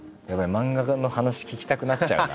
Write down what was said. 漫画家の話聞きたくなっちゃうな。